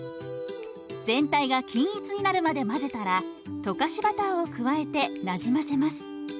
全体が均一になるまで混ぜたら溶かしバターを加えてなじませます。